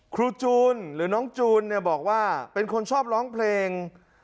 ครูจูนหรือน้องจูนเนี่ยบอกว่าเป็นคนชอบร้องเพลง